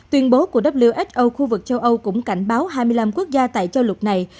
tuyên bố của who khu vực châu âu cũng cảnh báo hai mươi năm quốc gia tại châu lục này